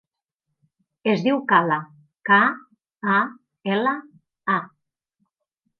Es diu Kala: ca, a, ela, a.